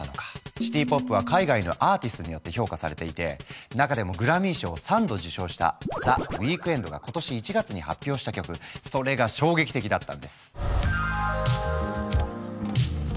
シティ・ポップは海外のアーティストによって評価されていて中でもグラミー賞を３度受賞したＴｈｅＷｅｅｋｎｄが今年１月に発表した曲それが衝撃的だったんです。